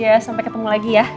ya sampai ketemu lagi ya